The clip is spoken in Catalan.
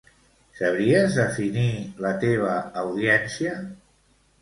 Sabries definir la teva audiència?